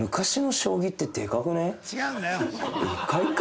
違うんだよ。